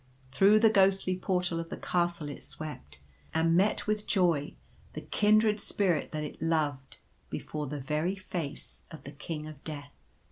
Through the ghostly portal of the Castle it swept, and met with joy the kindred Spirit that it loved before the very face of the King of Death.